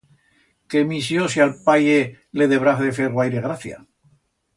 Quemisió si a'l paye le debrá de fer guaire gracia.